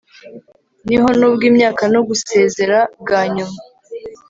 Niho nubwo imyaka no gusezera bwa nyuma